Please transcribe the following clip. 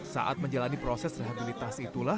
saat menjalani proses rehabilitas itulah